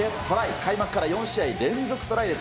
開幕から４試合連続トライです。